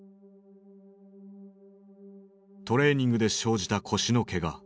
トレーニングで生じた腰のけが。